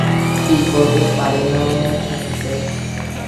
কী করবে, পারে না থাকতে।